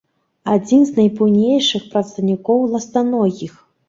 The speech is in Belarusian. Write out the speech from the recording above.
Адзін з найбуйнейшых прадстаўнікоў ластаногіх.